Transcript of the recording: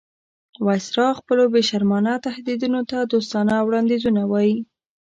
وایسرا خپلو بې شرمانه تهدیدونو ته دوستانه وړاندیزونه وایي.